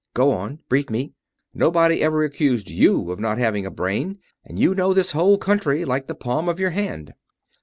"Go on. Brief me. Nobody ever accused you of not having a brain, and you know this whole country like the palm of your hand."